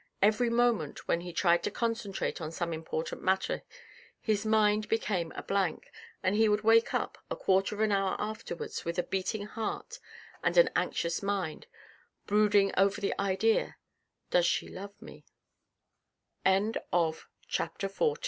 Every moment when he tried to concentrate on some important matter his mind became a blank, and he would wake up a quarter of an hour afterwards with a beating heart and an anxious mind, brooding over this ide